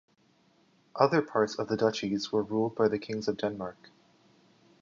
Other parts of the duchies were ruled by the kings of Denmark.